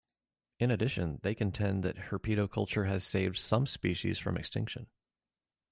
In addition, they contend that herpetoculture has saved some species from extinction.